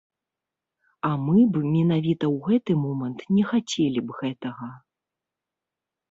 А мы б менавіта ў гэты момант не хацелі б гэтага.